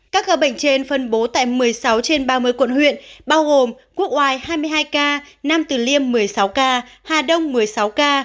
các hợp bệnh trên phân bố tại một mươi sáu trên ba mươi quận huyện bao gồm quốc hoài hai mươi hai ca nam tử liêm một mươi sáu ca hà đông một mươi sáu ca hà đông một mươi sáu ca